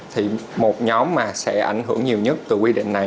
thì một nhóm mà sẽ ảnh hưởng nhiều nhất từ quy định này